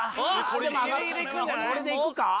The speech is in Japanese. これでいくか？